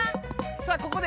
さあここで。